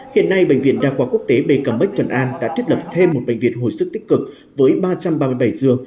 hiện nay bệnh viện đa khoa quốc tế bê cắm bách thuận an đã thiết lập thêm một bệnh viện hồi sức tích cực với ba trăm ba mươi bảy dương